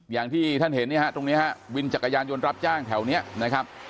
อย่างที่ท่านเห็นเนี่ยฮะตรงนี้ฮะวินจักรยานยนต์รับจ้างแถวนี้นะครับ